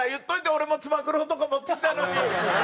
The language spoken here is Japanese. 俺もつば九郎とか持ってきたのに。